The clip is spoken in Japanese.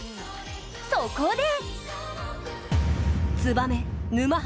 そこで。